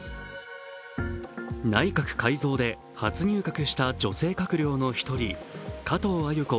内閣改造で初入閣した女性閣僚の１人、加藤鮎子